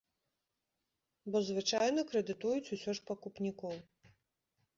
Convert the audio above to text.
Бо звычайна крэдытуюць усе ж пакупнікоў.